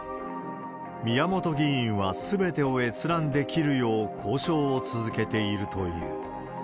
宮本議員は、すべてを閲覧できるよう交渉を続けているという。